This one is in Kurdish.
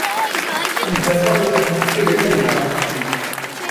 Em di derbarê tendirustiyê de gelekî axivîn.